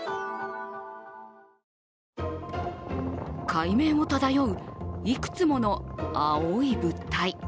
海面を漂ういくつもの青い物体。